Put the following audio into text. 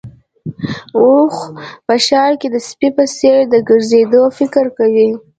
اوښ په ښار کې د سپي په څېر د ګرځېدو فکر کوي.